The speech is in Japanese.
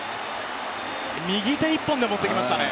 右手一本で持っていきましたね。